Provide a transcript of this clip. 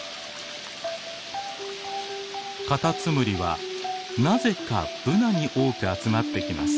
カタツムリはなぜかブナに多く集まってきます。